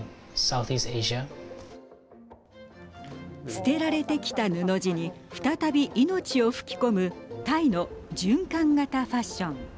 捨てられてきた布地に再び命を吹き込むタイの循環型ファッション。